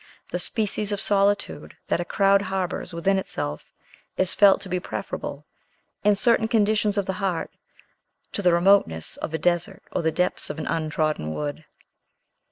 The species of solitude that a crowd harbors within itself is felt to be preferable, in certain conditions of the heart, to the remoteness of a desert or the depths of an untrodden wood.